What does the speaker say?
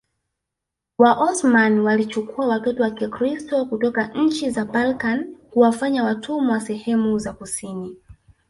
Waosmani walichukua watoto wa Kikristo kutoka nchi za Balkani kuwafanya watumwa sehemu za kusini